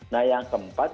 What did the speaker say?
nah yang keempat